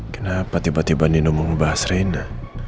kenapa tiba tiba nino mau membahas reina